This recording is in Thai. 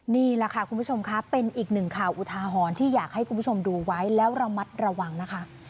นี่แหละค่ะคุณผู้ชมค่ะเป็นอีกหนึ่งข่าวอุทาหรณ์ที่อยากให้คุณผู้ชมดูไว้แล้วระมัดระวังนะคะ